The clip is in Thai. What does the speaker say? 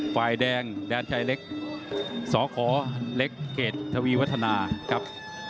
ฝ่ายแดงแดนชายเล็กสขเล็กเกรดทวีวัฒนาครับ